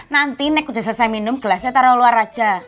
nanti nek sudah selesai minum gelasnya taruh luar aja